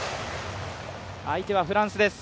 相手はフランスです。